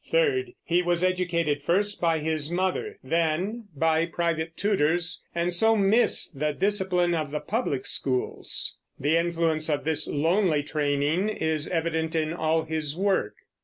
Third, he was educated first by his mother, then by private tutors, and so missed the discipline of the public schools. The influence of this lonely training is evident in all his work.